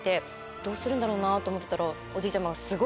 どうするんだろうなと思ってたら。